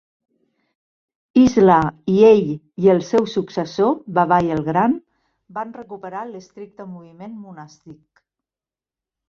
Izla, i ell i el seu successor, Babai el Gran, van recuperar l'estricte moviment monàstic.